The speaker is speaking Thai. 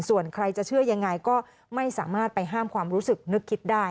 ส่วนใครจะเชื่อยังไงก็ไม่สามารถไปห้ามความรู้สึกนึกคิดได้